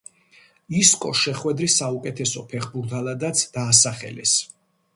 ისკო შეხვედრის საუკეთესო ფეხბურთელადაც დაასახელეს.